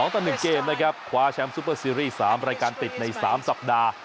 ต่อ๑เกมนะครับคว้าแชมป์ซูเปอร์ซีรีส์๓รายการติดใน๓สัปดาห์